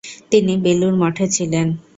তিনি বেলুড় মঠে ছিলেন।